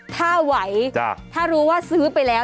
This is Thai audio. ถ้าไหวถ้ารู้ว่าซื้อไปแล้ว